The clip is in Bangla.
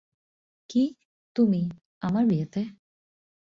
কী, তুমি, আমার বিয়েতে?